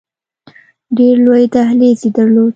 ډېر لوی دهلیز یې درلود.